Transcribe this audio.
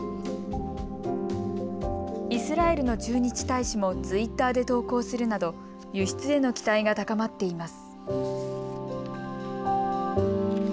イスラエルの駐日大使もツイッターで投稿するなど輸出への期待が高まっています。